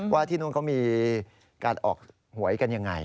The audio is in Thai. ว่าที่นู่นก็มีการออกหวยกันอย่างไร